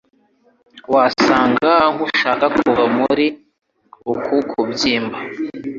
wasaga nkushaka kuva muri uku kubyimba